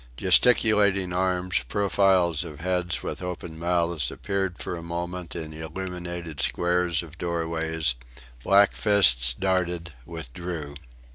Gesticulating arms, profiles of heads with open mouths appeared for a moment in the illuminated squares of doorways; black fists darted withdrew...